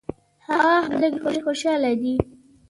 هغه خلک ډېر خوشاله دي.